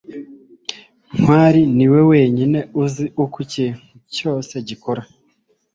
ntwali niwe wenyine uzi uko ikintu cyose gikora